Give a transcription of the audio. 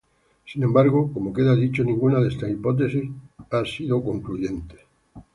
Sin embargo, como queda dicho, ninguna de estas hipótesis ha sido concluyente.